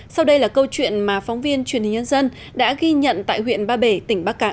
sau đây là câu chuyện mà phóng viên truyền hình nhân dân đã ghi nhận tại huyện ba bể tỉnh bắc cạn